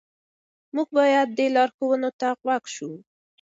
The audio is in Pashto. موږ باید دې لارښوونې ته غوږ شو.